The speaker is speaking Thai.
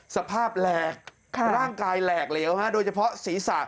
แหลกร่างกายแหลกเหลวโดยเฉพาะศีรษะ